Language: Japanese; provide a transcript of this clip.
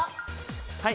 はい。